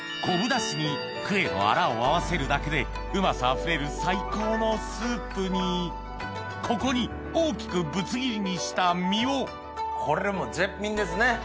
昆布ダシにクエのアラを合わせるだけでうまさあふれる最高のスープにここに大きくぶつ切りにした身をこれも絶品ですね！